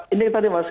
ini tadi mas